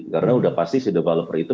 karena udah pasti si developer itu